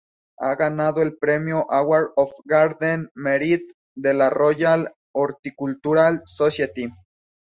Ha ganado el Premio Award of Garden Merit de la Royal Horticultural Society.